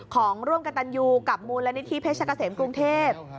ของร่วมกับตันยูกับมูลนิธิเพชรเกษมกรุงเทพ